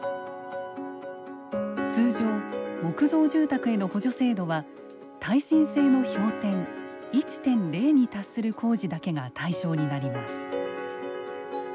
通常木造住宅への補助制度は耐震性の評点１．０に達する工事だけが対象になります。